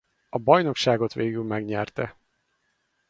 A bajnokságot végül megnyerte.